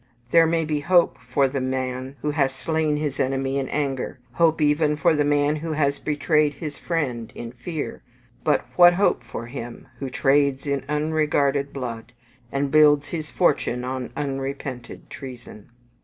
There may be hope for the man who has slain his enemy in anger; hope even for the man who has betrayed his friend in fear; but what hope for him who trades in unregarded blood, and builds his fortune on unrepented treason?